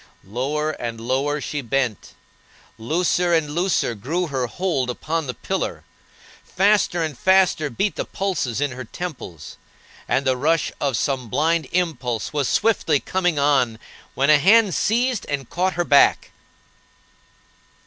Lower and lower she bent; looser and looser grew her hold upon the pillar; faster and faster beat the pulses in her temples, and the rush of some blind impulse was swiftly coming on, when a hand seized and caught her back.